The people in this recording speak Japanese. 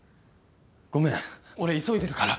ごめん俺急いでるから。